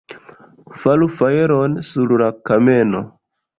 Faru fajron sur la kameno!